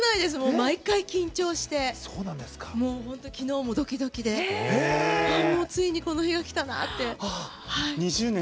毎回、緊張してもう本当、昨日もドキドキでついに、この日がきたなって。